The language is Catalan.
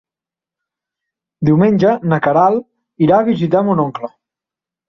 Diumenge na Queralt irà a visitar mon oncle.